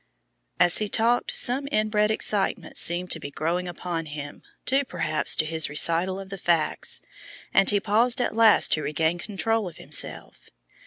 As he talked some inbred excitement seemed to be growing upon him, due, perhaps, to his recital of the facts, and he paused at last to regain control of himself.